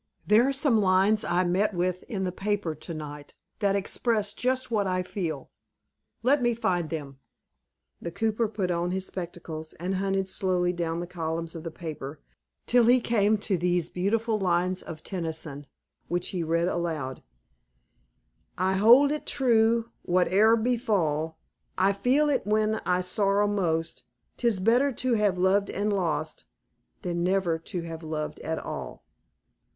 There's some lines I met with in the paper, to night, that express just what I feel. Let me find them." The cooper put on his spectacles, and hunted slowly down the columns of the paper, till he came to these beautiful lines of Tennyson, which he read aloud, "I hold it true, whate'er befall; I feel it when I sorrow most; 'Tis better to have loved and lost, Than never to have loved at all."